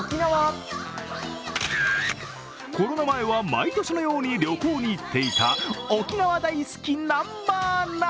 コロナ前は毎年のように旅行に行っていた沖縄大好き南波アナ。